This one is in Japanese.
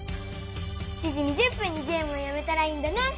７時２０分にゲームをやめたらいいんだね！